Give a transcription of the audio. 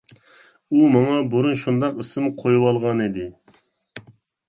ئۇ ماڭا بۇرۇن شۇنداق ئىسىم قويۇۋالغانىدى.